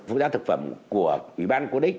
phụ gia thực phẩm của ủy ban công ty